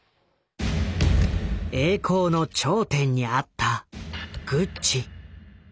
栄光の頂点にあったグッチ。